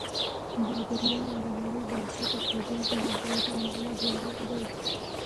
بابریان: د لړۍ بنسټ ایښودونکی ظهیرالدین محمد بابر دی.